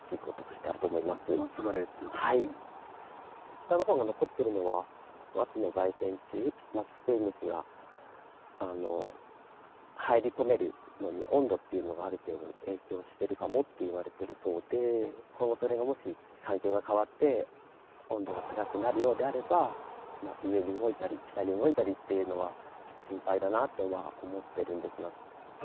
北の方が残っているのはマツノザイセンチュウ松食い虫が入り込めるのに温度っていうのがある程度影響してるかもって言われてるそうで今後それがもし環境が変わって温度が高くなるようであれば上に動いたり北に動いたりっていうのは心配だなとは思ってるんですが。